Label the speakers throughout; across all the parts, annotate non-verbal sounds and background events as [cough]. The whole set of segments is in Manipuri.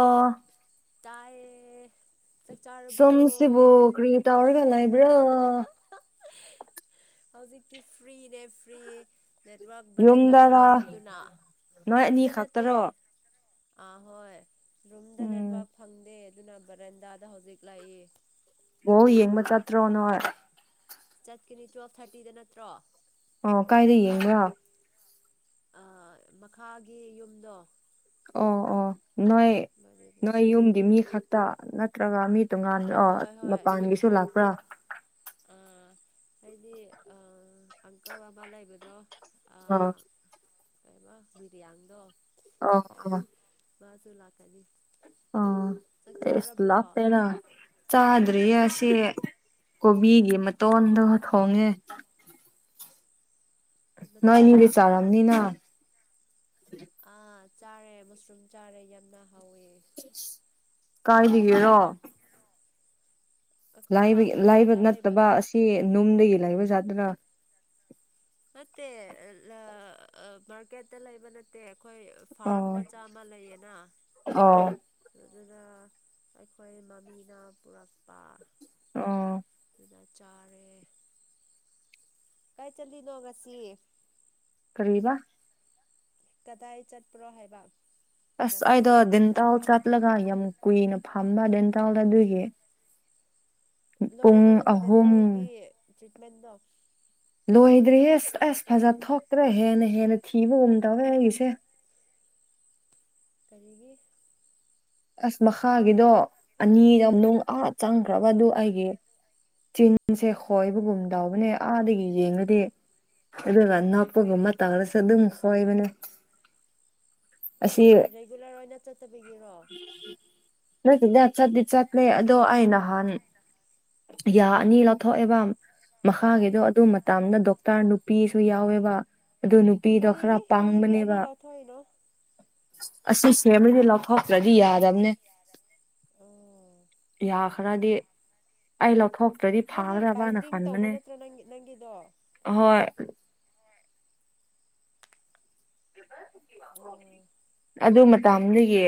Speaker 1: ꯑꯣ
Speaker 2: ꯇꯌꯦꯦ
Speaker 1: ꯁꯝꯁꯤꯕꯣ ꯀ꯭ꯔꯤꯇꯥ ꯑꯣꯔꯒꯂ ꯏ꯭ꯔꯥ
Speaker 2: ꯍꯧꯖꯤꯛꯇꯤ ꯐ꯭ꯔꯤꯅꯦ ꯐ꯭ꯔꯤꯌꯦ ꯅꯦꯠꯋꯛ ꯕꯔꯦꯟꯗꯥꯗ
Speaker 1: ꯌꯨꯝꯗꯔꯥ
Speaker 2: ꯂꯩꯕꯗꯨꯅ
Speaker 1: ꯅꯣꯏ ꯑꯅꯤ
Speaker 2: ꯔꯨꯝꯗ ꯅꯠꯇꯦ
Speaker 1: ꯈꯛꯇꯔꯣ
Speaker 2: ꯑ ꯍꯣꯏ ꯔꯨꯝꯗ
Speaker 1: ꯎꯝ
Speaker 2: ꯋꯥ ꯈꯟꯗꯦ ꯑꯗꯨꯅ ꯕꯔꯦꯟꯗꯥꯗ ꯍꯧꯖꯤꯛ ꯂꯥꯛꯏ
Speaker 1: ꯑꯣ ꯌꯦꯡꯕ ꯆꯠꯇ꯭ꯔꯣꯅ
Speaker 2: ꯆꯠꯀꯅꯤ ꯇꯨꯋꯦꯜꯐ ꯊꯥꯔꯇꯤꯗ ꯅꯠꯇ꯭ꯔꯣ
Speaker 1: ꯑꯣ ꯀꯥꯏꯗ ꯌꯦꯡꯕ꯭ꯔꯣ
Speaker 2: ꯑ ꯃꯈꯥꯒꯤ ꯌꯨꯝꯗꯣ
Speaker 1: ꯑꯣ ꯑꯣ ꯅꯣꯏ ꯅꯣꯏ ꯌꯨꯝꯗꯤ ꯃꯤ ꯈꯛꯇ ꯅꯠꯇ꯭ꯔꯒ ꯃꯤ ꯇꯣꯉꯥꯟ ꯑ
Speaker 2: ꯑꯍꯣꯏ ꯍꯣꯏ
Speaker 1: ꯃꯄꯥꯟꯒꯤꯁꯨ ꯂꯥꯛꯄ꯭ꯔꯥ
Speaker 2: ꯑ ꯍꯥꯏꯗꯤ ꯑ ꯑꯪꯀꯜ ꯑꯃꯃꯥ ꯂꯩꯕꯗꯣ
Speaker 1: ꯑꯥ
Speaker 2: ꯕ ꯕꯤꯔꯌꯥꯅꯤꯗꯣ
Speaker 1: ꯑ ꯑ
Speaker 2: ꯁ ꯂꯥꯛ
Speaker 1: ꯑꯣ ꯑꯦꯁ
Speaker 2: ꯆꯥꯔꯕ꯭ꯔꯣ
Speaker 1: ꯂꯥꯞꯄꯦꯔ ꯆꯥꯗ꯭ꯔꯤꯌꯦ ꯁꯤ ꯀꯣꯕꯤꯒꯤ ꯃꯇꯣꯟꯗꯣ ꯊꯣꯡꯉꯦ
Speaker 2: ꯅꯊꯟꯇ
Speaker 1: ꯅꯣꯏꯅꯤ ꯆꯔꯝꯅꯤꯅ
Speaker 2: ꯑꯥ ꯆꯥꯔꯦ ꯃꯁꯔꯨꯝ ꯆꯥꯔꯦ ꯌꯥꯝꯅ ꯍꯥꯎꯋꯦ
Speaker 1: ꯀꯥꯏꯗꯤꯒꯦꯔꯣ
Speaker 2: ꯑꯩꯈꯣꯏ
Speaker 1: ꯕ
Speaker 2: ꯐꯥꯔꯝ
Speaker 1: ꯂꯥꯏꯕ
Speaker 2: ꯃꯆꯥ
Speaker 1: ꯅꯠꯇꯕ
Speaker 2: ꯂꯩꯕꯗꯣ
Speaker 1: ꯑꯁꯤ ꯅꯨꯡꯗꯒꯤ ꯂꯥꯏꯕꯖꯥꯠꯇꯅ
Speaker 2: ꯃꯦ ꯑꯦ ꯃꯔꯀꯦꯗꯂ ꯏꯕ ꯅꯠꯇꯦ ꯑꯩꯈꯣꯏ ꯐꯥꯔꯝ
Speaker 1: ꯑꯣ
Speaker 2: ꯃꯆꯥ ꯑꯃ ꯂꯩꯌꯦꯅ
Speaker 1: ꯑꯣ
Speaker 2: ꯑꯗꯨꯗ ꯑꯩꯈꯣꯏ ꯃꯃꯤꯅ ꯄꯨꯔꯛꯄ
Speaker 1: ꯑꯣ
Speaker 2: ꯆꯔꯦ ꯀꯥꯏ ꯆꯠꯂꯤꯅꯣ ꯉꯁꯤ
Speaker 1: ꯀꯔꯤꯕꯥ
Speaker 2: ꯀꯗꯥꯏ ꯆꯠꯄ꯭ꯔꯣ ꯍꯥꯏꯕ
Speaker 1: ꯑꯁ ꯑꯩꯗꯣ
Speaker 2: ꯉꯁꯤ
Speaker 1: ꯗꯗꯤꯦꯟꯇꯥꯜ ꯆꯠꯂꯒ ꯌꯥꯝ ꯀꯨꯏꯅ ꯐꯝꯕ ꯗꯗꯤꯦꯟꯇꯥꯜ ꯑꯗꯨꯒꯤ
Speaker 2: ꯂꯣꯏꯔꯕꯣ
Speaker 1: ꯄꯨꯡ
Speaker 2: ꯅꯪ
Speaker 1: ꯑꯍꯨꯝ
Speaker 2: ꯈꯤꯗꯦꯟꯇꯧꯒꯤ ꯇ꯭ꯔꯤꯠꯃꯦꯟꯗꯣ
Speaker 1: ꯂꯣꯏꯗ꯭ꯔꯤꯌꯦ ꯑꯁ ꯑꯁ ꯐꯖ ꯊꯣꯛꯇ꯭ꯔꯦ ꯍꯦꯟꯅ ꯍꯦꯟꯅ ꯊꯤꯕꯒꯨꯝ ꯇꯧꯋꯦ ꯑꯩꯁꯦ
Speaker 2: ꯀꯔꯤꯒꯤ
Speaker 1: ꯑꯁ ꯃꯈꯥꯒꯤꯗꯣ ꯑꯅꯤꯔ ꯅꯨꯡ ꯑꯥ ꯆꯪꯈ꯭ꯔꯒꯗꯨ ꯑꯩꯒꯤ ꯆꯤꯟꯁꯦ ꯈꯣꯏꯕꯒꯨꯝ ꯇꯎꯕꯅꯦ ꯑꯥꯗꯒꯤ ꯌꯦꯡꯉꯗꯤ ꯑꯗꯨꯗꯟꯅꯄꯒꯃ ꯇꯥ꯭ꯔ ꯆ ꯑꯗꯨꯈꯏꯕꯅꯦ
Speaker 2: ꯅꯠꯇꯦ ꯔꯦꯒꯨꯂꯔ ꯑꯣꯏꯅ ꯆꯠꯇꯕꯒꯤꯔꯣ
Speaker 1: ꯅꯁꯤꯗ ꯆꯠꯗꯤ ꯆꯠꯂꯦ ꯑꯗꯣ ꯑ ꯅꯍꯥꯟ ꯌꯥ ꯑꯅꯤ ꯂꯧꯊꯣꯛꯑꯦꯕ
Speaker 2: ꯑꯥ
Speaker 1: ꯃꯈꯥꯒꯤꯗꯣ ꯑꯗꯨ ꯃꯇꯥꯝꯗ ꯗꯣꯛꯇꯔ ꯅꯨꯄꯤꯁꯨ ꯌꯥꯎꯋꯦꯕ ꯑꯗꯨ ꯅꯨꯄꯤꯗꯣ ꯈꯔ
Speaker 2: ꯀꯔꯤꯒꯤ ꯀꯔꯤꯒꯤ ꯑꯅꯤ
Speaker 1: ꯄꯡꯕꯅꯦꯕ
Speaker 2: [inaudible]
Speaker 1: ꯑꯁꯤꯁ ꯐꯦꯃꯤ ꯂꯤ ꯂꯥꯎ ꯊꯣ ꯭ꯇꯔꯗꯤ ꯌꯥꯗꯝꯅꯦ ꯌꯥꯈ꯭ꯔꯗꯤ ꯑꯥꯏ ꯂꯧ ꯊꯣꯛ ꯇꯔ꯭ꯗꯤ
Speaker 2: ꯍꯥꯏꯗꯤ
Speaker 1: ꯐꯥꯒ꯭ꯔꯕꯅ
Speaker 2: ꯕꯥꯏꯟꯗꯤꯡ ꯇꯧꯕ
Speaker 1: ꯈꯟꯕꯅꯦ
Speaker 2: ꯅꯠꯇ꯭ꯔꯣ ꯅꯪ ꯅꯪꯒꯤꯗꯣ ꯑꯥ
Speaker 1: ꯍꯣꯏ
Speaker 2: ꯎꯝ
Speaker 1: ꯑꯗꯨ ꯃꯇꯝꯗꯨꯒꯤ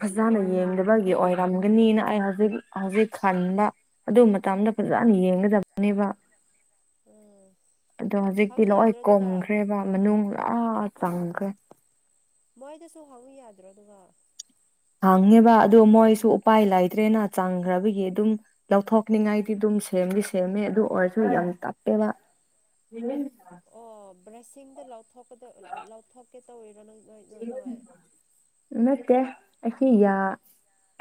Speaker 1: ꯐꯖꯅ ꯌꯦꯡꯗꯕꯒꯤ ꯑꯣꯏꯔꯝꯒꯅꯤꯅ ꯑꯩ ꯍꯧꯖꯤꯛ ꯍꯧꯖꯤꯛ ꯈꯥꯟꯗ ꯑꯗꯨ ꯃꯇꯝꯗ ꯐꯖꯅ ꯌꯦꯡꯒꯗꯕꯅꯦꯕ
Speaker 2: ꯎꯝ
Speaker 1: ꯑꯗꯣ ꯍꯧꯖꯤꯛꯇꯤ
Speaker 2: ꯍꯪꯉꯨ
Speaker 1: ꯂꯣꯏ
Speaker 2: ꯌꯥꯗ꯭ꯔꯣ ꯑꯗꯨꯒ
Speaker 1: ꯀꯨꯝꯈ꯭ꯔꯦꯕ ꯃꯅꯨꯡ ꯑ ꯇꯪ ꯈꯔꯦ
Speaker 2: ꯃꯣꯏꯗꯁꯨ ꯍꯪꯉꯨ ꯌꯥꯗ꯭ꯔꯣ ꯑꯗꯨꯒ
Speaker 1: ꯍꯪꯅꯦꯕ ꯑꯗꯨꯣ ꯃꯣꯏꯁꯨ ꯎꯄꯥꯏ ꯂꯩꯇ꯭ꯔꯦꯅ ꯆꯥꯡꯈ꯭ꯔꯕꯒꯤ ꯑꯗꯨꯝ ꯂꯧꯊꯣꯛꯅꯤꯡꯉꯥꯏ ꯗꯨꯝ ꯁꯦꯝꯗꯤ ꯁꯦꯝꯃꯦ ꯑꯗꯨ ꯑꯣꯏꯔꯁꯨ ꯌꯥꯝ ꯇꯞꯄꯦꯕ
Speaker 2: ꯑꯣ ꯕ꯭ꯔꯦꯁꯤꯡꯗ ꯂꯧꯊꯣꯛꯀ ꯂꯧꯊꯣꯛꯀꯦ ꯇꯧꯔꯣ ꯅꯪ ꯅꯣꯏ ꯅꯣꯏ
Speaker 1: ꯅꯠꯇꯦ ꯑꯩꯈꯤ ꯌꯥ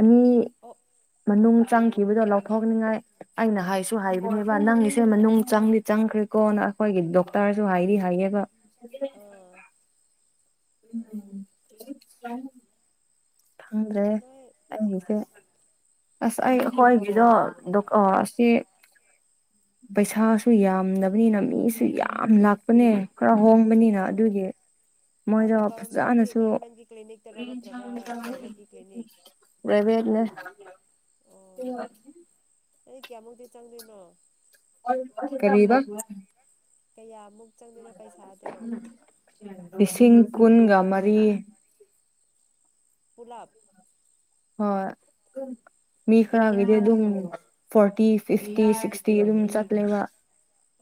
Speaker 1: ꯑꯅꯤ
Speaker 2: ꯑꯣ
Speaker 1: ꯃꯅꯨꯡ ꯆꯪꯈꯤꯕꯗꯣ ꯂꯧꯊꯣꯛꯅꯤꯡꯉꯥꯏ ꯑꯩꯅ ꯍꯥꯏꯁꯨ ꯍꯥꯏꯕꯅꯦꯕ ꯅꯪ ꯒꯤꯁꯦ ꯃꯅꯨꯡ ꯆꯪꯗꯤ ꯆꯪꯈ꯭ꯔꯦꯀꯣꯅ ꯑꯈꯣꯏꯒꯤ ꯗꯣꯛꯇꯔꯁꯨ ꯍꯥꯏꯔꯤ ꯍꯥꯏꯌꯦꯒ
Speaker 2: ꯑꯥ
Speaker 1: [unintelligible] ꯐꯪꯗ꯭ꯔꯦ
Speaker 2: ꯅꯣꯏ
Speaker 1: ꯑꯩꯁꯦ ꯑꯁ ꯑꯩ
Speaker 2: ꯑꯣ
Speaker 1: ꯑꯈꯣꯏꯒꯤꯗꯣ ꯑꯁꯤ ꯄꯩꯁꯥꯁꯨ ꯌꯥꯝꯗꯕꯅꯤꯅ ꯃꯤꯁꯨ ꯌꯥꯝ ꯂꯥꯛ ꯄꯅꯦ ꯈꯔ ꯍꯣꯡꯕꯅꯤꯅ
Speaker 2: ꯑꯥ
Speaker 1: ꯑꯗꯨꯒꯤ ꯃꯣꯏꯗꯣ
Speaker 2: ꯀꯥꯏꯗ ꯒꯚꯔꯃꯦꯟꯒꯤ
Speaker 1: ꯐꯖꯅꯁꯨ
Speaker 2: ꯒꯚꯔꯃꯦꯟꯒꯤ ꯀ꯭ꯂꯤꯅꯤꯛꯇꯔꯣ ꯅꯠꯇ꯭ꯔꯒ ꯄ꯭ꯔꯥꯏꯚꯦꯠꯀꯤ ꯀ꯭ꯂꯤꯅꯤꯛ
Speaker 1: ꯔꯦꯚꯤꯠꯅꯦ [unintelligible]
Speaker 2: ꯑꯩ ꯀꯌꯥꯃꯨꯛꯇꯤ ꯆꯪꯗꯣꯏꯅꯣ
Speaker 1: ꯀꯔꯤꯕ
Speaker 2: ꯀꯩꯌꯥ
Speaker 1: [unintelligible] ꯂꯤꯁꯤꯡ ꯁꯤꯡ ꯀꯨꯟꯒ ꯃꯔꯤ
Speaker 2: ꯂꯥꯞ
Speaker 1: ꯍꯣꯏ ꯃꯤ ꯈꯔ
Speaker 2: ꯑꯣ
Speaker 1: ꯒꯤꯗꯤ ꯑꯗꯨꯝ ꯐꯣꯔꯇꯤ ꯐꯤꯐꯇꯤ ꯁꯤꯁ ꯇꯤ ꯑꯗꯨꯝ ꯆꯠꯂꯦꯕ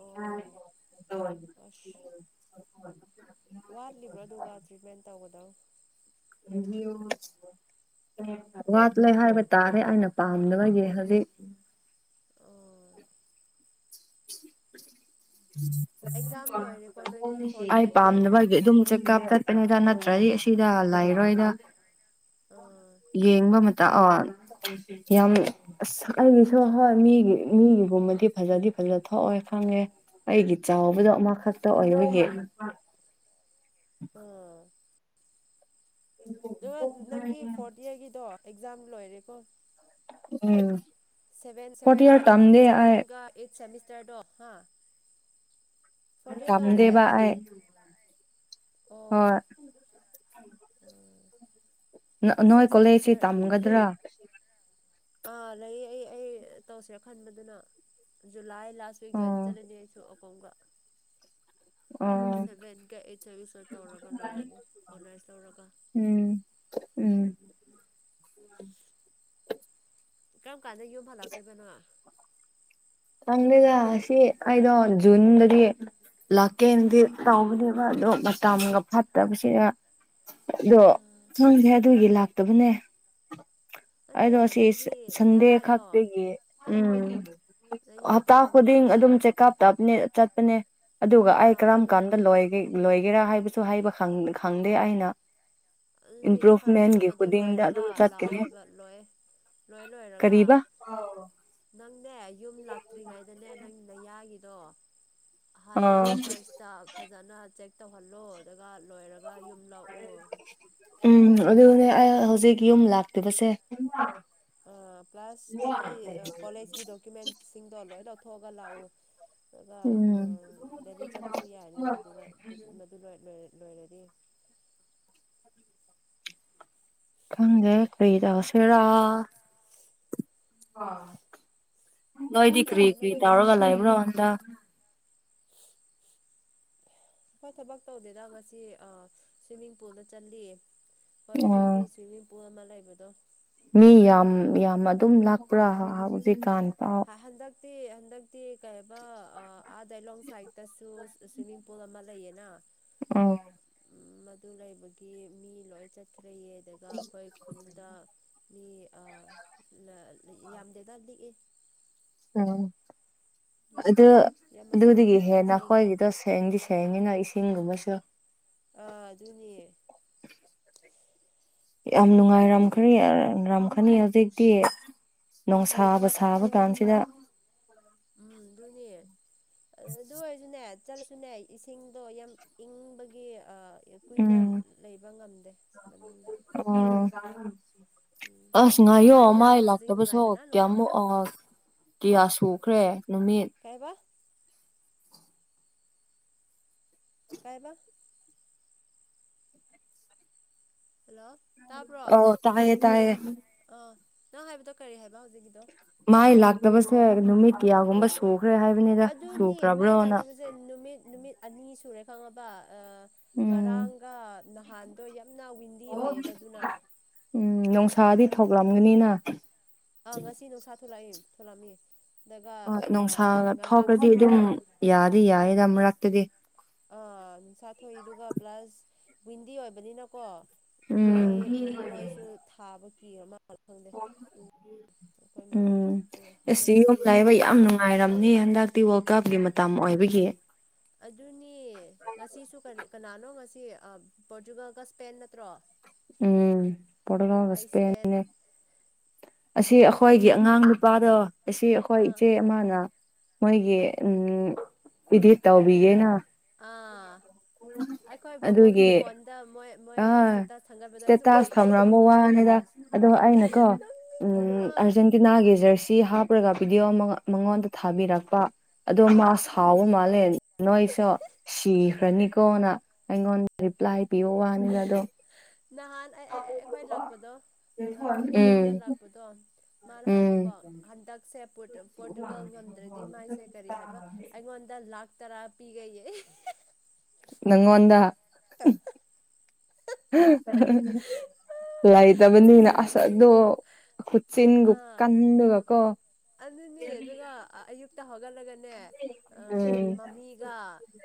Speaker 2: ꯑꯣ ꯑꯁ ꯋꯥꯠꯂꯤꯕ꯭ꯔꯣ ꯑꯗꯨꯒ ꯇ꯭ꯔꯤꯠꯃꯦꯟ ꯇꯧꯒꯗꯕ
Speaker 1: ꯂꯩꯕꯤꯌꯨ ꯋꯥꯠꯂꯦ ꯍꯥꯏꯕ ꯇꯥꯔꯦ ꯑꯩꯅ ꯄꯥꯝꯗꯕꯒꯤ ꯍꯧꯖꯤꯛ
Speaker 2: ꯑꯣ ꯑꯦꯛꯖꯥꯝ ꯂꯣꯏꯔꯦꯀꯣ ꯅꯣꯏꯒꯤ ꯐꯣꯔꯠ
Speaker 1: [inaudible] ꯑꯩ
Speaker 2: ꯏꯌꯥꯔꯒꯤ
Speaker 1: ꯄꯥꯝꯅꯕꯒꯤ ꯑꯗꯨꯝ ꯆꯦꯛꯀꯞ ꯆꯠꯄꯅꯦ ꯁꯤꯗ ꯅꯠꯇ꯭ꯔꯗꯤ ꯑꯁꯤꯗ ꯂꯩꯔꯣꯏꯗ
Speaker 2: ꯎꯝ
Speaker 1: ꯌꯦꯡꯕ ꯃꯇꯥ ꯑ ꯌꯥꯝ ꯑꯁ ꯑꯩꯒꯤꯁꯨ ꯍꯣꯏ ꯃꯤꯒꯤ ꯃꯤꯒꯤ ꯗꯤ ꯐꯖꯗꯤ ꯑꯗꯨꯖꯣ ꯊꯣꯛꯑꯣ ꯐꯪꯉꯦ ꯑꯩꯒꯤ ꯆꯥꯎꯕꯗꯣ ꯑꯃꯈꯛꯇ ꯑꯣꯏ ꯅꯒꯤ
Speaker 2: ꯎꯝ ꯑꯗꯨꯒ ꯅꯪꯒꯤ ꯐꯣꯔꯠ ꯏꯌꯥꯔꯒꯤꯗꯣ ꯑꯦꯛꯖꯥꯝ ꯂꯣꯏꯔꯦꯀꯣ
Speaker 1: ꯎꯝ
Speaker 2: ꯁꯚ
Speaker 1: ꯐꯣꯔꯠ
Speaker 2: ꯁꯚꯦꯟ
Speaker 1: ꯏꯌꯥꯔ ꯇꯝꯗꯦ ꯑꯩ
Speaker 2: ꯁꯦꯚꯦꯟꯒ ꯑꯩꯠ ꯁꯦꯃꯤꯁꯇꯔꯗꯣ ꯍꯥ ꯐꯣꯔꯠ ꯏꯌꯥꯔ ꯇꯧꯗꯦ
Speaker 1: ꯀꯝꯗꯦꯕꯥꯏ ꯍ
Speaker 2: ꯑꯣ ꯎꯝ
Speaker 1: ꯅꯣꯏ
Speaker 2: ꯁꯤꯛꯁ
Speaker 1: ꯀꯣꯂꯦꯖꯁꯤ
Speaker 2: ꯁꯦꯃꯤꯁꯇꯔ
Speaker 1: ꯇꯝꯒꯗ꯭ꯔꯥ
Speaker 2: ꯑꯥ ꯂꯩ ꯑꯩ ꯑꯩ ꯇꯧꯁꯦ ꯈꯟꯕꯗꯨꯅ ꯖꯨꯂꯥꯏ ꯂꯥꯁ ꯋꯤꯛꯀꯤꯗ
Speaker 1: ꯑꯣ
Speaker 2: ꯆꯠꯂꯅꯤ ꯑꯩꯁꯨ ꯑꯈꯣꯡꯒ
Speaker 1: ꯑꯣ
Speaker 2: ꯁꯦꯚꯦꯟꯒ ꯑꯩꯠ ꯁꯦꯃꯤꯁꯇꯔ ꯇꯧꯔꯒ ꯂꯣꯏꯔꯅꯤ ꯑꯣꯅꯔꯁ ꯂꯧꯧꯔꯒ
Speaker 1: ꯎꯝ ꯎꯝ
Speaker 2: ꯀꯔꯝ ꯀꯥꯟꯗ ꯌꯨꯝ ꯍꯜꯂꯛꯇꯣꯏꯕꯅꯣ
Speaker 1: ꯈꯪꯗꯦꯗ ꯑꯁꯤ ꯑꯩꯗꯣ ꯖꯨꯟꯗꯗꯤ ꯂꯥꯛꯀꯦꯅꯗꯤ ꯇꯧꯕꯅꯦꯕ ꯑꯗꯣ ꯃꯇꯝꯒ ꯐꯠꯇꯕꯁꯤꯗ ꯑꯗꯣ ꯈꯪꯗꯦ ꯑꯗꯨꯒꯤ ꯂꯥꯛꯇꯕꯅꯦ
Speaker 2: ꯅꯠꯇꯦ
Speaker 1: ꯑꯗꯣ ꯁꯤ
Speaker 2: ꯅꯪꯒꯤ
Speaker 1: ꯁꯟꯗꯦ
Speaker 2: ꯌꯥꯗꯣ
Speaker 1: ꯈꯛꯇꯒꯤ ꯎꯝ ꯍꯞꯇꯥ
Speaker 2: ꯅꯌꯥꯗꯣ
Speaker 1: ꯈꯨꯗꯤꯡ
Speaker 2: ꯑꯥ
Speaker 1: ꯑꯗꯨꯝ ꯆꯦꯛꯑꯞ ꯇꯞꯅꯦ ꯆꯠꯄꯅꯦ ꯑꯗꯨꯒ ꯑꯩ ꯀꯔꯝ
Speaker 2: ꯑꯗꯨꯅ
Speaker 1: ꯀꯥꯟꯗ ꯂꯣꯏꯒꯦ ꯂꯣꯏꯒꯦꯔꯥ ꯍꯥꯏꯕꯁꯨ ꯍꯥꯏꯕ ꯈꯪ ꯈꯪꯗꯦ ꯑꯩꯅ
Speaker 2: ꯑꯗꯨꯅꯦ ꯐꯔꯁꯇ
Speaker 1: ꯏꯝꯄ꯭ꯔꯨꯚꯃꯦꯟꯒꯤ
Speaker 2: ꯃꯗꯨ
Speaker 1: ꯈꯨꯗꯤꯡꯗ
Speaker 2: ꯂꯣꯏꯔꯒ
Speaker 1: ꯑꯗꯨꯝ
Speaker 2: ꯂꯥꯛꯑꯣ
Speaker 1: ꯆꯠꯀꯅꯤ
Speaker 2: ꯍꯥꯏꯕ ꯂꯣꯏꯌꯦ ꯂꯣꯏ ꯂꯣꯏꯔꯒ
Speaker 1: ꯀꯔꯤꯕ
Speaker 2: ꯀꯔꯤꯕ ꯅꯪꯅꯦ ꯌꯨꯝ ꯂꯥꯛꯇ꯭ꯔꯤꯉꯩꯗꯅꯦ ꯅꯪ ꯅꯌꯥꯒꯤꯗꯣ ꯍꯥꯟꯅ
Speaker 1: ꯑꯥ
Speaker 2: ꯐꯔꯁꯇ ꯐꯖꯅ ꯆꯦꯛ ꯇꯧꯍꯜꯂꯣ ꯑꯗꯨꯒ ꯂꯣꯏꯔ ꯒ ꯌꯨꯝ ꯂꯥꯛꯑꯣ
Speaker 1: ꯎꯝ ꯑꯗꯨꯅꯦ ꯑꯩ ꯍꯧꯖꯤꯛ ꯌꯨꯝ ꯂꯥꯛꯇꯕꯁꯦ
Speaker 2: ꯑ ꯄ꯭ꯂꯁ ꯅꯪꯒꯤ ꯀꯣꯂꯦꯖꯀꯤ ꯗꯣꯀꯨꯃꯦꯟꯁꯤꯡꯗꯣ ꯂꯣꯏ ꯂꯧꯊꯣꯛꯑꯒ ꯂꯥꯛꯎ ꯑꯗꯨꯒ ꯑ
Speaker 1: ꯎꯝ
Speaker 2: ꯗꯦꯜꯂꯤ ꯆꯠꯄꯁꯨ ꯌꯥꯔꯅꯤꯅ ꯑꯗꯨꯒ ꯃꯗꯨ ꯂꯣꯏꯔ ꯂꯣꯏꯔꯗꯤ
Speaker 1: ꯈꯪꯗꯦ ꯀꯩ ꯇꯧꯁꯤꯔꯥ
Speaker 2: ꯃꯤ
Speaker 1: ꯅꯣꯏꯗꯤ ꯀ꯭ꯔꯤ
Speaker 2: ꯀꯌꯥꯅꯣ
Speaker 1: ꯀ꯭ꯔꯤ
Speaker 2: ꯅꯪꯒꯤ ꯔꯦꯟꯗ
Speaker 1: ꯇꯧꯔꯒ
Speaker 2: ꯍꯧꯖꯤꯛ
Speaker 1: ꯂꯩꯕ꯭ꯔꯣ ꯍꯟꯗꯛ
Speaker 2: ꯍꯣꯏ ꯊꯕꯛ ꯇꯧꯗꯦꯗ ꯉꯁꯤ ꯑ ꯁ꯭ꯋꯤꯃꯤꯡ ꯄꯨꯜꯗ ꯆꯠꯂꯤꯌꯦ ꯍꯣꯏ
Speaker 1: ꯑꯣ
Speaker 2: ꯈꯨꯟꯒꯤ ꯁ꯭ꯋꯤꯃꯤꯡ ꯄꯨꯜ ꯑꯃ ꯂꯩꯕꯗꯣ
Speaker 1: ꯃꯤ ꯌꯥꯝ ꯌꯥꯝ ꯑꯗꯨꯝ ꯂꯥꯛꯄ꯭ꯔ ꯍꯧꯖꯤꯛꯀꯥꯟ ꯄꯥꯎ
Speaker 2: ꯍꯥ ꯍꯟꯗꯛꯇꯤ ꯍꯟꯗꯛꯇꯤ ꯀꯩꯕ ꯑ ꯑꯥꯗꯂꯣꯡ ꯁꯥꯏꯠꯇꯁꯨ ꯁ꯭ꯋꯤꯃꯤꯡ ꯄꯨꯜ ꯑꯃ ꯂꯩꯌꯦꯅ
Speaker 1: ꯎꯝ
Speaker 2: ꯃꯗꯨ ꯂꯩꯕꯒꯤ ꯃꯤ ꯂꯣꯏ ꯆꯠꯈ꯭ꯔꯦꯌꯦ ꯑꯗꯨꯒ ꯑꯩꯈꯣꯏ ꯈꯨꯟꯗ ꯃꯤ ꯑ ꯂ ꯌꯥꯝꯗꯦꯗ ꯂꯤꯛꯏ
Speaker 1: ꯎꯝ ꯑꯗꯨ
Speaker 2: ꯌꯥꯝꯃꯁꯨ
Speaker 1: ꯑꯗꯨꯗꯒꯤ
Speaker 2: ꯅꯨꯡꯉꯥꯏ
Speaker 1: ꯍꯦꯟꯅ
Speaker 2: ꯏꯪꯁꯨ ꯏꯪꯉꯤ
Speaker 1: ꯑꯩꯈꯣꯏꯒꯤꯗꯣ ꯁꯦꯡꯗꯤ ꯁꯦꯡꯉꯤꯅ ꯏꯁꯤꯡ ꯁꯤꯡꯒꯨꯝꯕꯁꯨ
Speaker 2: ꯑꯥ ꯑꯗꯨꯅꯦ
Speaker 1: ꯌꯥꯝ
Speaker 2: ꯎꯝ
Speaker 1: ꯅꯨꯡꯉꯥꯏꯔꯝꯈ꯭ꯔꯦ ꯈꯅꯤ ꯍꯧꯖꯤꯛꯇꯤ ꯅꯨꯡꯁꯥꯕ ꯁꯥꯕ ꯀꯥꯟꯁꯤꯗ
Speaker 2: ꯑꯗꯨꯅꯦ ꯑꯗꯨ ꯑꯣꯏꯁꯨꯅꯦ ꯆꯠꯂꯁꯨꯅꯦ ꯏꯁꯤꯡꯗꯣ ꯌꯥꯝ ꯏꯪꯕꯒꯤ ꯑ ꯀꯨꯏꯅ
Speaker 1: ꯎꯝ
Speaker 2: ꯂꯩꯕ ꯉꯝꯗꯦ ꯃꯅꯨꯡꯗ
Speaker 1: ꯑꯣ
Speaker 2: ꯎꯝ
Speaker 1: ꯑꯁ ꯉꯥꯏꯌꯣ ꯃꯥꯏ
Speaker 2: ꯂꯥꯛꯑꯦ ꯍꯧꯖꯤꯛ
Speaker 1: ꯂꯥꯛꯇꯕꯁ꯭ꯅꯨ
Speaker 2: ꯅꯨꯡꯉꯥꯏꯕꯅ
Speaker 1: ꯀꯌꯥꯃꯨꯛ
Speaker 2: ꯅꯨꯡꯉꯥꯏꯕꯅ
Speaker 1: ꯑ ꯀꯤꯌꯥ ꯁꯨꯈ꯭ꯔꯦ ꯅꯨꯃꯤꯠ
Speaker 2: ꯀꯥꯏꯕ ꯀꯏꯕ ꯍꯜꯂꯣ ꯇꯥꯕ꯭ꯔꯣ
Speaker 1: ꯑꯣ ꯇꯥꯍꯌꯦ ꯇꯥꯍꯌꯦ
Speaker 2: ꯑꯥ ꯅꯪ ꯍꯥꯏꯕꯗꯣ ꯀꯔꯤ ꯍꯥꯏꯕ ꯍꯧꯖꯤꯛꯀꯤꯗꯣ
Speaker 1: ꯗꯕꯁꯦ ꯅꯨꯃꯤꯠ ꯀꯌꯥꯒꯨꯝꯕ ꯁꯨ
Speaker 2: ꯑꯗꯨꯅꯤ ꯃꯥꯏ ꯂꯥꯛꯇꯕꯁꯦ ꯅꯨꯃꯤꯠ ꯅꯨꯃꯤꯠ ꯑꯅꯤ ꯁꯨꯔꯦ ꯈꯪꯉꯕ ꯑ
Speaker 1: ꯎꯝ
Speaker 2: ꯉꯔꯥꯡꯒ ꯅꯍꯥꯟꯗꯣ ꯌꯥꯝꯅ ꯋꯤꯟꯗꯤ ꯑꯣꯏꯌꯦꯕ ꯑꯗꯨꯅ
Speaker 1: ꯎꯝ ꯅꯨꯡꯁꯥꯗꯤ ꯊꯣꯛꯂꯝꯒꯅꯤꯅ
Speaker 2: ꯑ ꯉꯁꯤ ꯅꯨꯡꯁꯥ ꯊꯣꯛꯂꯛꯏꯝ ꯊꯣꯛꯂꯝꯃꯤ ꯑꯗꯨꯒ
Speaker 1: ꯑ ꯅꯨꯡꯁꯥ ꯊꯣꯛꯔꯗꯤ
Speaker 2: ꯉꯔꯥꯡꯁꯨ
Speaker 1: ꯑꯗꯨꯝ ꯌꯥꯗꯤ ꯌꯥꯌꯦꯗ ꯃꯔꯛꯇꯗꯤ
Speaker 2: ꯑꯥ ꯅꯨꯡꯁꯥ ꯊꯣꯛꯏꯗꯨꯒ ꯄ꯭ꯂꯁ ꯋꯤꯟꯗꯤ ꯑꯣꯏꯕꯅꯤꯅꯀꯣ ꯃꯥꯏ
Speaker 1: ꯎꯝ
Speaker 2: ꯃꯣꯏꯁꯨ ꯊꯥꯕ ꯀꯤꯔ ꯃꯥ
Speaker 1: [unintelligible]
Speaker 2: ꯃꯥꯏ
Speaker 1: ꯎꯝ
Speaker 2: ꯂꯥꯛꯇꯦ
Speaker 1: ꯑꯁ
Speaker 2: ꯉꯁꯤ
Speaker 1: ꯌꯨꯝ ꯂꯩꯕ ꯌꯥꯝ ꯅꯨꯡꯉꯥꯏꯔꯝꯅꯤ ꯍꯟꯗꯛꯇꯤ ꯋꯥꯔꯜ ꯀꯞꯒꯤ ꯃꯠ ꯇꯝ ꯑꯣꯏꯕꯒꯤ
Speaker 2: ꯑꯗꯨꯅꯤ ꯉꯁꯤꯁꯨ ꯀꯔꯤ ꯀꯅꯥꯅꯣ ꯉꯁꯤ ꯑ ꯄꯣꯔꯇꯨꯒꯜꯒ ꯁ꯭ꯄꯦꯟ ꯅꯠꯇ꯭ꯔꯣ
Speaker 1: ꯎꯝ ꯄꯠꯂꯣ
Speaker 2: ꯑꯩ
Speaker 1: ꯔꯁ
Speaker 2: ꯁ꯭ꯄꯦꯟ
Speaker 1: ꯑꯁꯤ ꯑꯩꯈꯣꯏꯒꯤ ꯑꯉꯥꯡ ꯅꯨꯄꯥꯗꯣ ꯑꯁꯤ ꯑꯩꯈꯣꯏ
Speaker 2: ꯑꯥ
Speaker 1: ꯏꯆꯦ ꯑꯃꯅ ꯃꯣꯏꯒꯤ ꯎꯝ ꯏꯙꯦ ꯇꯥꯎꯕꯤꯒꯦꯅ
Speaker 2: ꯑꯥ ꯑꯩꯈꯣꯏ ꯕꯕꯣꯒꯤ
Speaker 1: ꯑꯗꯨꯒꯤ
Speaker 2: ꯐꯣꯟꯗ ꯃꯣꯏ ꯃꯣꯏ ꯏꯁ
Speaker 1: ꯑꯥ ꯏꯁꯇꯦꯇꯥꯁ ꯊꯝꯔꯝꯕ ꯋꯥꯅꯤꯗ ꯑꯗꯣ ꯑꯩꯅꯀꯣ ꯎꯝ
Speaker 2: ꯅꯣꯛꯅꯤꯡꯕꯅ
Speaker 1: ꯑꯥꯔꯖꯦꯟꯇꯤꯅꯥꯒꯤ ꯖꯔ ꯑꯁꯤ ꯍꯥꯞꯄꯔꯒ ꯚꯤꯗꯤꯑꯣ ꯃꯉꯣꯟꯗ ꯊꯥꯕꯤꯔꯛꯄ ꯑꯗꯣ ꯃꯥ
Speaker 2: ꯑꯥ
Speaker 1: ꯁꯥꯎꯕ ꯃꯥꯜꯂꯦ ꯅꯣꯏꯁꯨ ꯁꯤ ꯐꯅꯤꯀꯣꯅ ꯑꯩꯉꯣꯟꯅ ꯔꯤꯄ꯭ꯂꯥꯏ ꯄꯤ ꯋꯥꯅꯤꯅ ꯑꯗꯨꯣ
Speaker 2: ꯅꯍꯥꯟ ꯑꯩꯈꯣꯏ ꯂꯥꯛꯄꯗꯣ
Speaker 1: ꯎꯝ
Speaker 2: ꯌꯨꯝꯗ ꯂꯥꯛꯄꯗꯣ ꯃꯥꯅ
Speaker 1: ꯎꯝ
Speaker 2: ꯍꯥꯏꯕꯀꯣ ꯍꯟꯗꯛꯁꯦ ꯄꯣꯔꯇꯨꯒꯜ ꯉꯝꯗ꯭ꯔꯗꯤ ꯃꯥꯏꯁꯦ ꯀꯔꯤ ꯍꯥꯏꯕ ꯑꯩꯉꯣꯟꯗ ꯂꯥꯛ ꯇꯔꯥ ꯄꯤꯒ
Speaker 1: ꯅꯪꯉꯣꯟꯗ ꯂꯩꯇꯕꯅꯤꯅ ꯑꯁ ꯑꯗꯣ
Speaker 2: ꯅꯣꯛꯅꯤꯡꯕꯅ
Speaker 1: ꯈꯨꯁꯤꯡꯒ
Speaker 2: ꯑꯥ
Speaker 1: ꯀꯗꯒꯀꯣ
Speaker 2: ꯑꯗꯨꯅꯦ ꯑꯗꯨꯒ ꯑꯌꯨꯛꯇ ꯍꯧꯒꯠꯂꯒꯅꯤ
Speaker 1: ꯎꯝ
Speaker 2: ꯃꯃꯤꯒ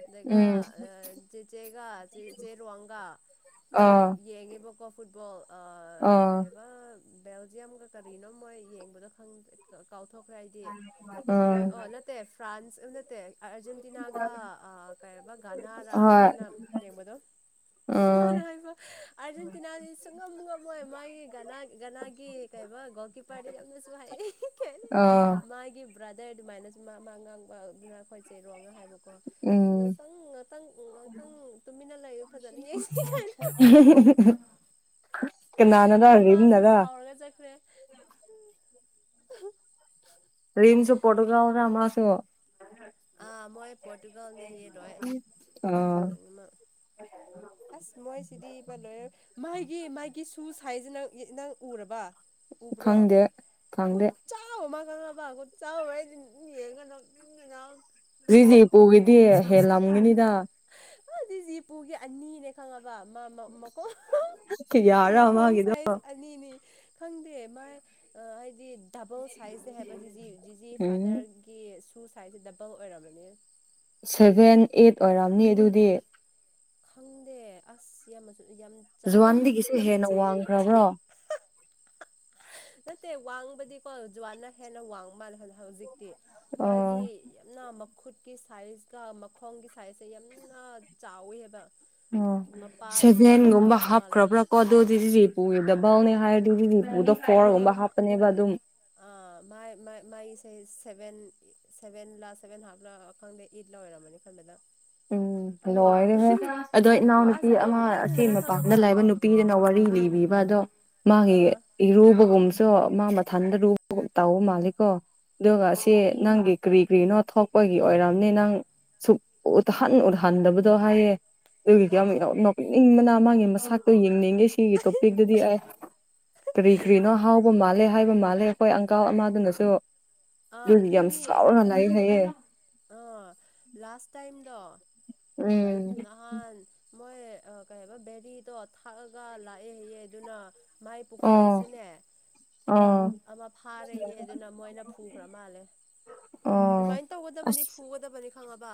Speaker 2: ꯑꯗꯨꯒ
Speaker 1: ꯎꯝ
Speaker 2: ꯆꯦꯆꯦꯒ ꯔꯋꯥꯡꯒ ꯃꯣꯏ
Speaker 1: ꯑꯥ
Speaker 2: ꯌꯦꯡꯉꯦꯕꯀꯣ ꯐꯨꯠꯕꯣꯜ ꯀꯩ ꯍꯥꯏꯕ ꯕꯦꯜꯖꯤꯌꯝꯒ ꯀꯔꯤꯅꯣ ꯃꯣꯏ ꯌꯦꯡꯕꯗꯣ ꯊꯣꯛꯈ꯭ꯔꯦ ꯑꯩꯗꯤ
Speaker 1: ꯑꯥ ꯎꯝ
Speaker 2: ꯑꯣ ꯅꯠꯇꯦ ꯐ꯭ꯔꯥꯟꯁ ꯑ ꯅꯠꯇꯦ ꯑꯥꯔꯖꯦꯟꯇꯤꯅꯥꯒ ꯀꯩꯔꯤꯕ ꯒꯅꯥꯔ
Speaker 1: ꯍꯣꯏ
Speaker 2: ꯃꯣꯏꯅ ꯌꯦꯡꯕꯗꯣ
Speaker 1: ꯎꯝ
Speaker 2: ꯐꯅꯕ ꯑꯔꯖꯦꯟꯇꯤꯅꯥꯗꯤ ꯁꯨꯡꯉ ꯃꯉ ꯃꯣꯏ ꯃꯥꯒꯤ ꯒꯅꯥ ꯒꯅꯥꯒꯤ ꯀꯩ ꯒꯣꯜ ꯀꯤꯞꯄꯔꯗ ꯌꯥꯝꯅꯁꯨ ꯍꯥꯏꯌꯦ
Speaker 1: ꯑꯥ
Speaker 2: ꯕ꯭ꯔꯥꯗꯔ ꯑꯗꯨꯃꯥꯏꯅꯁꯨ ꯃꯥ ꯃꯥ ꯉꯥꯡꯕ ꯑꯗꯨꯅ ꯑꯩꯈꯣꯏ ꯆꯦꯔꯣ ꯉ ꯍꯥꯏꯕ
Speaker 1: ꯎꯝ
Speaker 2: ꯉꯥꯛꯇꯪ ꯉꯥꯛꯇꯪ ꯉꯥꯛꯇꯪ ꯇꯨꯃꯤꯟꯅ ꯂꯩꯔ ꯐꯖꯅ ꯌꯦꯡꯁꯤꯩ ꯀꯥꯏꯅ
Speaker 1: [unintelligible] ꯀꯅꯥꯅꯔ
Speaker 2: ꯇꯣ ꯃꯥꯁ
Speaker 1: ꯔꯤꯝꯅꯔ
Speaker 2: ꯁꯥꯎꯔꯒ ꯆꯦꯛꯈꯦ
Speaker 1: ꯔꯔꯤꯝꯁ ꯄꯠꯒ꯭ꯔ ꯃꯥꯁꯨ
Speaker 2: ꯑ ꯃꯣꯏ ꯄꯣꯔꯇꯨꯒꯜꯅꯦ ꯌꯦ ꯂꯣꯏ
Speaker 1: ꯑꯥ
Speaker 2: ꯑꯁ ꯃꯣꯏ ꯆꯗꯤ ꯄ ꯂꯣꯏ ꯃꯥꯏ ꯒꯤ ꯃꯥꯒꯤ ꯁꯨ ꯍꯥꯏꯁ ꯅꯪ ꯅꯪ ꯎꯔꯕ ꯎꯕ꯭ꯔꯣ
Speaker 1: ꯈꯪꯗꯦ ꯈꯪꯗꯦ
Speaker 2: ꯄꯥ ꯆꯥꯎ [unintelligible]
Speaker 1: ꯖꯤ ꯄꯨꯒꯤꯗꯤ ꯍꯦꯂꯝꯒꯅꯤꯗ
Speaker 2: ꯑꯗꯤꯁꯤ ꯄꯨꯒꯤ ꯑꯅꯤꯅꯦ ꯈꯪꯉ ꯃꯈꯣꯡ
Speaker 1: ꯀꯌꯥꯔ
Speaker 2: ꯃꯈꯣꯡ
Speaker 1: ꯃꯥꯒꯤꯗꯣ
Speaker 2: ꯁꯥꯏꯁ ꯑꯅꯤꯅꯤ ꯈꯪꯗꯦ ꯃꯥꯏ ꯑ ꯍꯥꯏꯗꯤ ꯗꯕꯜ ꯁꯥꯏꯖꯁꯦ ꯍꯥꯏꯕ ꯖꯤꯖꯤ ꯖꯤꯖꯤ
Speaker 1: ꯎꯝ
Speaker 2: ꯐꯥꯗꯔꯒꯤ ꯁꯨ ꯁꯥꯏꯖꯁꯦ ꯗꯕꯜ ꯑꯣꯏꯔꯝꯕꯅꯦ
Speaker 1: ꯁꯦꯚꯦꯟ ꯑꯩꯠ ꯑꯣꯏꯔꯝꯅꯤ ꯑꯗꯨꯗꯤ
Speaker 2: ꯈꯪꯗꯦ ꯑꯁ ꯌꯥꯝꯃꯁꯨ ꯌꯥꯝ ꯆꯥꯎꯋꯤ
Speaker 1: ꯖꯨꯋꯥꯟꯗꯒꯤꯁꯨ ꯍꯦꯟꯅ
Speaker 2: ꯅꯝꯊꯤꯁꯨꯊꯤ
Speaker 1: ꯋꯥꯡꯈ꯭ꯔꯕ꯭ꯔꯣ
Speaker 2: ꯅꯠꯇꯦ ꯋꯥꯡꯕꯗꯤꯀꯣ ꯖꯨꯋꯥꯅ ꯍꯦꯟꯅ ꯋꯥꯡ ꯃꯥꯜꯂꯦ ꯍꯧꯖꯤꯛꯇꯤ
Speaker 1: ꯑꯣ
Speaker 2: ꯃꯥꯒꯤ ꯌꯥꯝꯅ ꯨꯈꯨꯠꯀꯤ ꯁꯥꯏꯖꯀ ꯃꯈꯣꯡꯒꯤ ꯁꯥꯏꯖꯁ ꯌꯥꯝꯅ ꯆꯥꯎꯋꯤ
Speaker 1: ꯑꯣ ꯁꯦꯚꯦꯟꯒꯨꯝꯕ
Speaker 2: ꯆꯥꯎꯈ꯭ꯔ ꯃꯥꯜꯂꯦ
Speaker 1: ꯍꯥꯞꯈ꯭ꯔꯕ꯭ꯔꯥ ꯀꯣ ꯑꯗꯨꯗꯤ ꯗꯕ ꯕꯥꯅꯦ ꯍꯥꯏꯔꯗꯨꯗꯤ ꯎꯗ ꯐꯣꯔꯒꯨꯝꯕ
Speaker 2: ꯑꯥ
Speaker 1: ꯍꯥꯞꯄꯅꯦꯕ ꯑꯗꯨꯝ
Speaker 2: ꯑꯥ ꯃꯥꯏ ꯃꯥꯏ ꯃꯥꯏꯁꯦ ꯁꯚꯦꯟ ꯂꯥ ꯁꯚꯦꯟ ꯍꯥꯞ ꯂꯥ ꯈꯪꯗꯦ ꯏꯠ ꯂ ꯑꯣꯏꯔꯝꯃꯅꯤ ꯈꯟꯕꯗ
Speaker 1: ꯎꯝ ꯂꯣꯏꯔꯦꯍꯦ ꯑꯗꯣ ꯏꯅꯥꯎꯅꯨꯄꯤ
Speaker 2: ꯑꯁ
Speaker 1: ꯑꯃ ꯑꯦ
Speaker 2: ꯅꯣꯛꯅꯤꯡꯕꯅ
Speaker 1: ꯃꯄꯥꯟꯗ
Speaker 2: ꯈꯪꯉꯕ
Speaker 1: ꯂꯕ ꯅꯨꯄꯤꯗꯅ ꯋꯥꯔꯤ ꯂꯤꯕꯤꯕ ꯗꯣ
Speaker 2: ꯑꯥ
Speaker 1: ꯃꯥꯒꯤ ꯏꯔꯨꯕꯒꯨꯝ ꯑꯣ ꯃꯥ ꯃꯊꯟꯗ ꯂꯨꯕ ꯇꯥꯎꯕ ꯃꯥꯜꯂꯤꯀꯣ ꯑꯗꯨꯒ ꯁꯤ ꯅꯪꯒꯤ ꯀꯔꯤ ꯀ꯭ꯔꯤꯅꯣ ꯊꯣꯛꯄꯒꯤ ꯑꯣꯏꯔꯝꯅꯤ ꯅꯪ ꯁꯨꯛ ꯎꯠꯍꯟ ꯎꯠꯍꯟꯗꯕꯗꯣ ꯍꯥꯏꯌꯦ ꯑꯗꯨꯒꯤꯗꯤ ꯌꯥꯝꯨ
Speaker 2: ꯑꯥ
Speaker 1: ꯅꯣꯛꯅꯤꯡꯕꯅ ꯃꯥꯒꯤ ꯃꯁꯥꯛꯇꯣ ꯌꯦꯡꯅꯤꯡꯉꯦ ꯁꯤꯒꯤ ꯇꯣꯄꯤꯛꯇꯗꯤ ꯑꯦ ꯀꯔꯤ ꯀꯔꯤꯅꯣ ꯍꯥꯎꯕ ꯃꯥꯜꯂꯦ ꯍꯥꯏꯕ ꯃꯥꯜꯂꯦ ꯑꯩꯈꯣꯏ ꯑꯪꯀꯥꯜ ꯑꯃꯗꯨꯅꯁꯨ
Speaker 2: ꯑꯥ
Speaker 1: ꯑꯗꯨꯒꯤ ꯌꯥꯝ
Speaker 2: ꯑꯗꯨꯅꯦ
Speaker 1: ꯁꯥꯎꯔꯒꯥ ꯂꯩꯌꯦ ꯍꯥꯏꯌꯦ
Speaker 2: ꯗ
Speaker 1: ꯎꯝ
Speaker 2: ꯃꯣꯏ ꯀꯩ ꯍꯥꯏꯕ ꯕꯦꯔꯤꯗꯣ ꯊꯥꯛꯑꯒ ꯂꯥꯛꯑꯦ ꯍꯥꯏꯌꯦ ꯑꯗꯨꯅ ꯃꯥꯏ
Speaker 1: ꯑꯣ
Speaker 2: ꯄꯣꯀꯦꯠꯇꯁꯨꯅꯦ
Speaker 1: ꯑꯣ
Speaker 2: ꯑꯃ ꯐꯥꯔꯦꯌꯦ ꯑꯗꯨꯅ ꯃꯣꯏꯅ ꯐꯨꯈ꯭ꯔ ꯃꯥꯜꯂꯦ
Speaker 1: ꯑꯣ
Speaker 2: ꯑꯗꯨꯃꯥꯏꯅ ꯇꯧꯒꯗꯕꯅꯤ
Speaker 1: ꯑꯁ
Speaker 2: ꯐꯨꯒꯗꯕꯅꯤ ꯈꯪꯉꯕ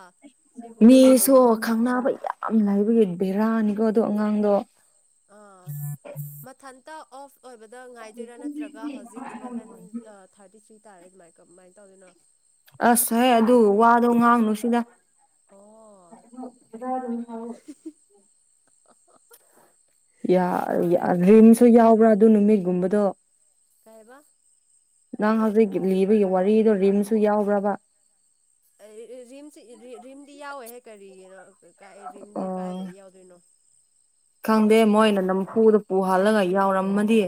Speaker 2: ꯁꯤꯒꯨꯝꯕꯗꯗꯤ
Speaker 1: ꯃꯤꯁꯨ ꯈꯪꯅꯕ ꯌꯥꯝ ꯂꯥꯏꯕꯒꯤ ꯕꯦꯔꯥꯅꯤꯀꯣ ꯑꯗꯣ ꯑꯉꯥꯡꯗꯣ
Speaker 2: ꯇ ꯑꯣꯐ ꯑꯣꯏꯕꯗ ꯉꯥꯏꯗꯣꯏꯔꯥ ꯅꯠꯇ꯭ꯔꯒ ꯍꯧꯖꯤꯛ ꯏꯂꯕꯦꯟ ꯊꯥꯔꯇꯤ ꯊ꯭ꯔꯤ ꯍꯥꯏꯇꯥꯥꯔꯦ ꯑꯗꯏꯃꯥꯏꯅ ꯇꯧꯗꯅ
Speaker 1: ꯑꯁ ꯍꯣꯏ ꯑꯗꯨ ꯋꯥꯗꯣ ꯉꯥꯡꯅꯨ ꯁꯤꯗ
Speaker 2: ꯑꯣ
Speaker 1: ꯑꯗꯨ ꯑꯗꯨ
Speaker 2: ꯍꯍꯍ
Speaker 1: ꯔꯤꯝꯁꯨ
Speaker 2: ꯑꯗꯨꯒ
Speaker 1: ꯌꯥꯎꯕ꯭ꯔꯥ ꯑꯗꯨ ꯅꯨꯃꯤꯠꯒꯨꯝꯕꯗꯣ
Speaker 2: ꯀꯩꯕ
Speaker 1: ꯅꯪ ꯍꯧꯖꯤꯛ ꯂꯤꯕꯒꯤ ꯋꯥꯔꯤꯗꯣ ꯔꯤꯝꯁꯨ ꯌꯥꯎꯕ꯭ꯔꯕ
Speaker 2: ꯔꯤꯝꯁ ꯔꯤꯝꯗꯤ ꯌꯥꯎꯔꯣꯏꯍꯦ ꯀꯔꯤꯒꯤꯅꯣ ꯀ ꯀꯥꯏ ꯔꯤꯝꯗꯤ
Speaker 1: ꯑꯣ
Speaker 2: ꯀꯥꯏꯗꯒꯤ ꯌꯥꯎꯗꯣꯏꯅꯣ
Speaker 1: ꯈꯪꯗꯦ ꯃꯣꯏꯅ ꯅꯝꯐꯨꯗ ꯄꯨꯍꯜꯂꯒ ꯌꯥꯎꯔꯝꯃꯗꯤ